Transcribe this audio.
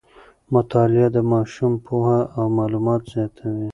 مطالعه د ماشوم پوهه او معلومات زیاتوي.